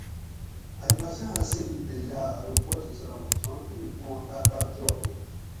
ائ باچا آں سیٔتہ یاۤ ارو باچا سلامت چھاں ایں پواں تار باۤر اوچآت تھو